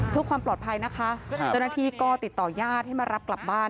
เพื่อความปลอดภัยเจ้าหน้าที่ก้อติดต่อย่าที่มาหลับกลับบ้าน